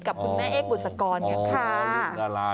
กับคุณแม่เอกบุษกรกับข้า